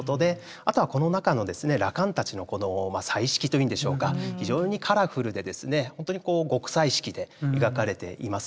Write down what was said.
あとはこの中の羅漢たちのこの彩色というんでしょうか非常にカラフルでほんとに極彩色で描かれています。